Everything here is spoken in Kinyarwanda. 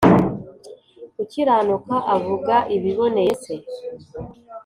ukiranuka avuga ibiboneye s